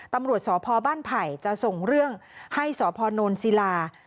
ตำรวจสพบ้านไผ่จะส่งเรื่องให้สพนศิลา